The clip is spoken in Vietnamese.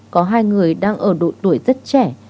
có hai người đang ở độ tuổi rất trẻ